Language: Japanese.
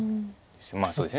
まあそうですね